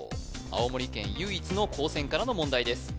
青森県唯一の高専からの問題です